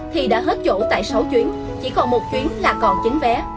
thì đã hết chỗ tại sáu chuyến chỉ còn một chuyến là còn chín vé